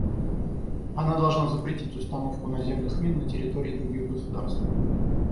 Она должна запретить установку наземных мин на территории других государств.